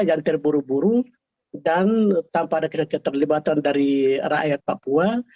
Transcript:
yang terburu buru dan tanpa ada keterlibatan dari rakyat papua